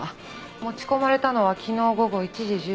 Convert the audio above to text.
持ち込まれたのは昨日午後１時１２分。